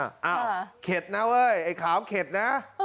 อ้าวเข็ดนะเว้ยไอ้ขาวเข็ดนะ